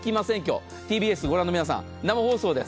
ＴＢＳをご覧の皆さん、生放送です。